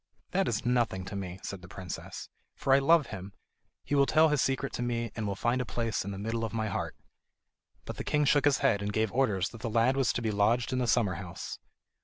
"That is nothing to me," said the princess, "for I love him. He will tell his secret to me, and will find a place in the middle of my heart." But the king shook his head, and gave orders that the lad was to be lodged in the summer house.